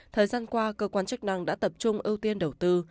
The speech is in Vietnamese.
thời gian qua cơ quan chức năng đã tập trung ưu tiên đầu tư